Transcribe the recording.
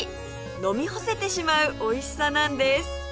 飲みほせてしまうおいしさなんです